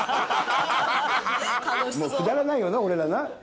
くだらないよな俺らな。